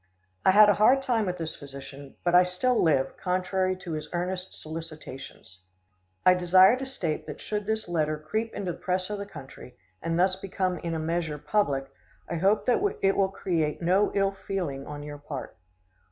I had a hard time with this physician, but I still live, contrary to his earnest solicitations. I desire to state that should this letter creep into the press of the country, and thus become in a measure public, I hope that it will create no ill feeling on your part.